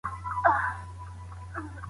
سړو خونو د میوو د خرابیدو مخه نیولې وه.